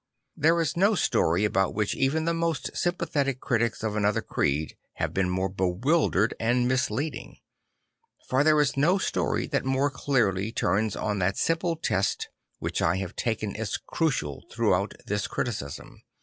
There is no story about which even the most sympathetic critics of another creed have been more bewildered and misleading. For there is no story that more clearly turns on that simple test which I have taken as crucial throughout this criticism.